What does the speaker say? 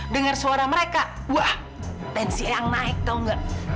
dengar suara mereka wah tensi eyang naik tau gak